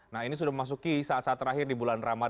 nah ini sudah memasuki saat saat terakhir di bulan ramadan